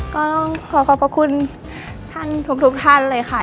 ก็ขอขอบพระคุณทุกท่านเลยค่ะ